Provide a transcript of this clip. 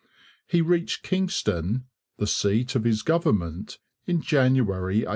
He reached Kingston, the seat of his government, in January 1842.